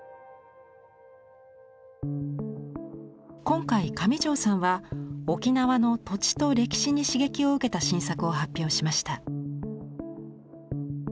今回上條さんは沖縄の土地と歴史に刺激を受けた新作を発表しました。